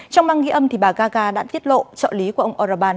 trong băng ghi âm bà gaga đã tiết lộ trợ lý của ông orban